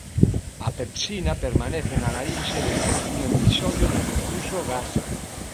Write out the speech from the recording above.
A pepsina permanece na larinxe despois dun episodio de refluxo gástrico.